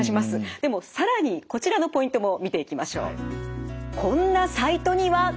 でも更にこちらのポイントも見ていきましょう。